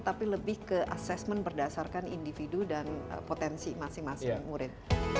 tapi lebih ke assessment berdasarkan individu dan potensi masing masing murid